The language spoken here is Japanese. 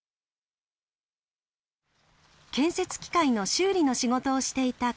建設機械の修理の仕事をしていた小山さん。